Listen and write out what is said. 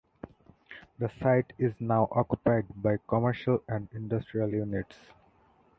The site is now occupied by commercial and industrial units.